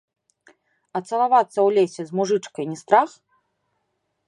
А цалавацца ў лесе з мужычкай не страх?